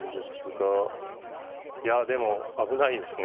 いやでも危ないですね。